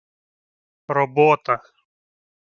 — Робота...